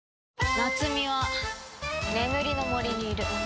夏美は眠りの森にいる。